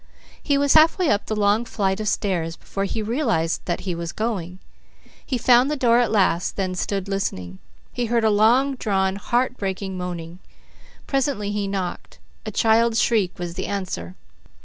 He was halfway up the long flight of stairs before he realized that he was going. He found the door at last, then, stood listening. He heard long drawn, heart breaking moaning. Presently he knocked. A child's shriek was the answer.